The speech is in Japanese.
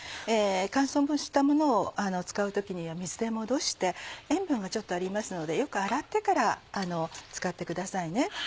乾燥したものを使う時には水で戻して塩分がちょっとありますのでよく洗ってから使ってくださいね。